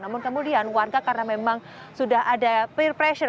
namun kemudian warga karena memang sudah ada peer pressure